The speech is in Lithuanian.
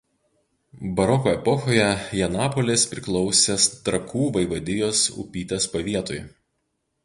Baroko epochoje Janapolės priklausė Trakų vaivadijos Upytės pavietui.